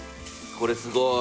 これすごい。